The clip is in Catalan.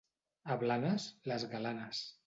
A Blanes, les galanes.